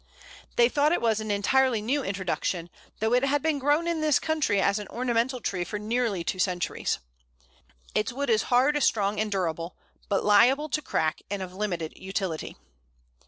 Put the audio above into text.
They thought it was an entirely new introduction, though it had been grown in this country as an ornamental tree for nearly two centuries! Its wood is hard, strong, and durable, but liable to crack, and of limited utility.